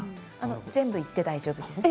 全部いって大丈夫です。